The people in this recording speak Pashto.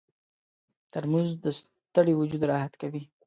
ترموز د ستړي وجود راحت کوي.